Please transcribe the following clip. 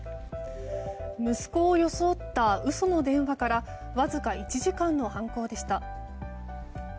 息子を装った嘘の電話からわずか１時間の犯行でした。